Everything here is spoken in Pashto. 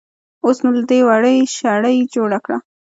اوس نو له دې وړۍ شړۍ جوړه کړه.